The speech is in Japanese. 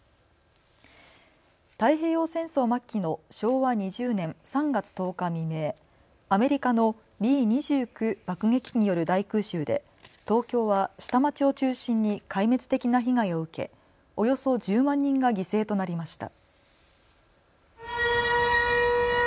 太平洋戦争末期の昭和２０年３月１０日未明、アメリカのＢ２９爆撃機による大空襲で東京は下町を中心に壊滅的な被害を受けおよそ１０万人が犠牲となりました。